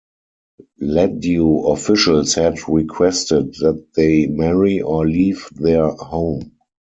Ladue officials had requested that they marry or leave their home.